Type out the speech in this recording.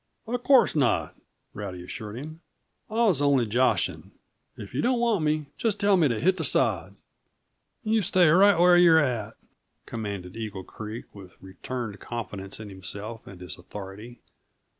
"Of course not," Rowdy assured him. "I was only joshing. If you don't want me, just tell me to hit the sod." "You stay right where you're at!" commanded Eagle Creek with returned confidence in himself and his authority.